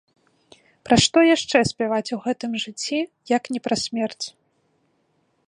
Пра што яшчэ спяваць у гэтым жыцці, як не пра смерць?